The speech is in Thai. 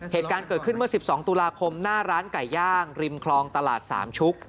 เหตุการณ์เกิดขึ้นเมื่อ๑๒ตุลาคมหน้าร้านไก่ย่างริมคลองตลาดสามชุก